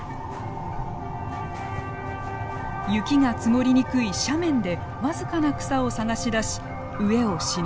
雪が積もりにくい斜面で僅かな草を探し出し飢えをしのぎます。